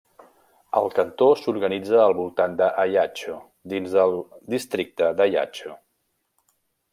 El cantó s'organitza al voltant d'Ajaccio dins el districte d'Ajaccio.